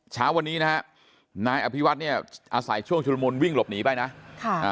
เช้าวันนี้นะฮะนายอภิวัฒน์เนี่ยอาศัยช่วงชุลมุนวิ่งหลบหนีไปนะค่ะอ่า